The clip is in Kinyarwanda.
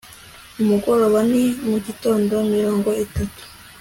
Umugoroba na mugitondo Mirongo itatu